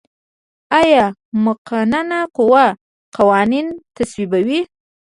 آیا مقننه قوه قوانین تصویبوي؟